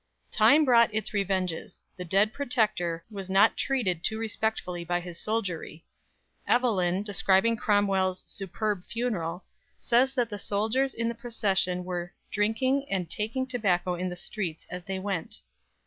Time brought its revenges. The dead Protector was not treated too respectfully by his soldiery. Evelyn, describing Cromwell's "superb funeral," says that the soldiers in the procession were "drinking and taking tobacco in the streets as they went."